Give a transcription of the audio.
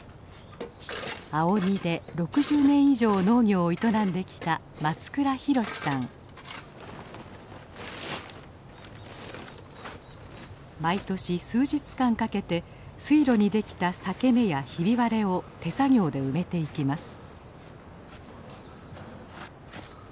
青鬼で６０年以上農業を営んできた毎年数日間かけて水路にできた裂け目やひび割れを手作業で埋めていきます。